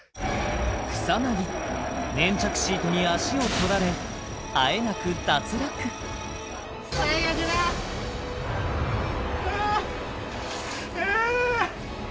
草薙粘着シートに足をとられあえなく脱落最悪だあーうわー